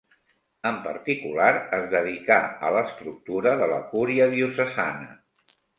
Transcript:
En particular, es dedicà a l'estructura de la cúria diocesana.